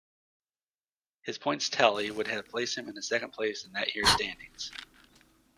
His points tally would have placed him in second place in that year's standings.